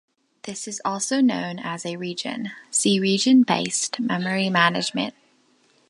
This is also known as a "region"; see region-based memory management.